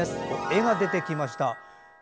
絵が出てきました。